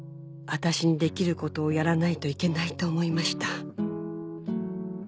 私にできることをやらないといけないと思いました」